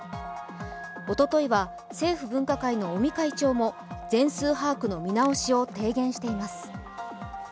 おとといは、政府分科会の尾身会長も全数把握の見直しを提言しています。